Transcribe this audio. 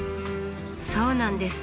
そうなんです。